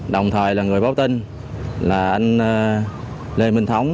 đồng thời là người báo tin là anh lê minh thống